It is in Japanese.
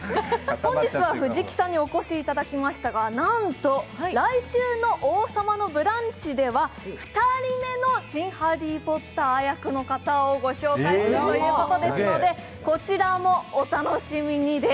本日は藤木さんにお越しいただきましたがなんと来週の「王様のブランチ」では２人目の新ハリー・ポッター役の方をご紹介するということですのでこちらもお楽しみにです。